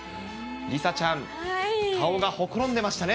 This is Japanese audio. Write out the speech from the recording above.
梨紗ちゃん、顔がほころんでましたね。